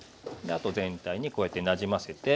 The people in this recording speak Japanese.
あと全体にこうやってなじませて。